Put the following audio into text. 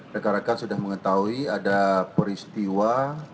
rekan rekan sudah mengetahui ada peristiwa